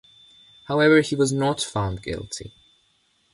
However, he was found not guilty.